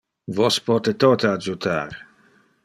Vos pote tote adjutar.